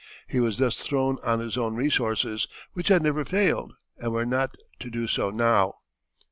He was thus thrown on his own resources, which had never failed and were not to do so now.